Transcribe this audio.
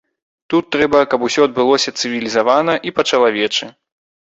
Тут трэба, каб усё адбылося цывілізавана і па-чалавечы.